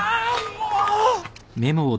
もう。